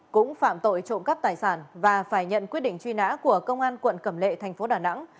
cũng phạm tội trộm cắp tài sản và phải nhận quyết định truy nã của công an quận cẩm lệ thành phố đà nẵng